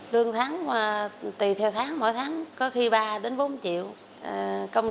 từ tháng mỗi tháng có khi ba đến bốn tháng